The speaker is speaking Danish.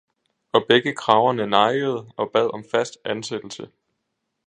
Og begge kragerne nejede og bad om fast ansættelse.